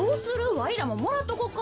わいらももらっとこか。